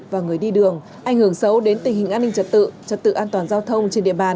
và người đi đường ảnh hưởng xấu đến tình hình an ninh trật tự trật tự an toàn giao thông trên địa bàn